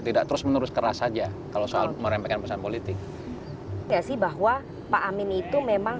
tidak terus menerus keras saja kalau soal meremehkan pesan politik gak sih bahwa pak amin itu memang